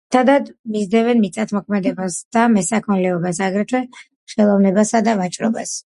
ძირითადად მისდევენ მიწათმოქმედებას და მესაქონლეობას, აგრეთვე ხელოსნობასა და ვაჭრობას.